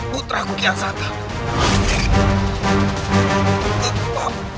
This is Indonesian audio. putraku kian santang